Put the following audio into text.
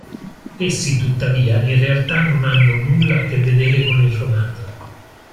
Essi, tuttavia, in realtà non hanno nulla a che vedere con il romanzo.